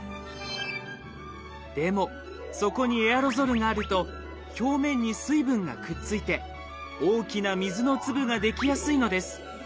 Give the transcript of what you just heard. でもそこにエアロゾルがあると表面に水分がくっついて大きな水の粒ができやすいのです。